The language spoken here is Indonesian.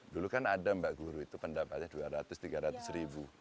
dulu kan ada mbak guru itu pendapatnya dua ratus tiga ratus ribu